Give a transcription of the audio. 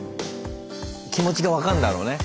気持ちが分かんだろうね。